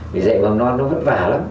vì dạy mầm non nó vất vả lắm